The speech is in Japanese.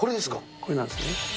これなんです。